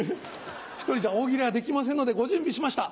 １人じゃ大喜利はできませんのでご準備しました。